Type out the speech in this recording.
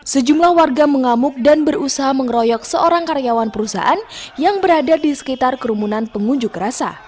sejumlah warga mengamuk dan berusaha mengeroyok seorang karyawan perusahaan yang berada di sekitar kerumunan pengunjuk rasa